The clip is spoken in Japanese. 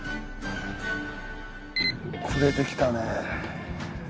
暮れてきたね。